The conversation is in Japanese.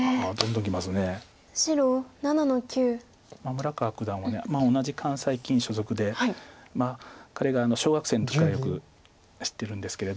村川九段は同じ関西棋院所属で彼が小学生の時からよく知ってるんですけれど。